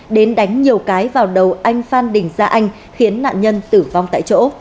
đến đánh nhiều cái vào đầu anh phan đình gia anh khiến nạn nhân tử vong tại chỗ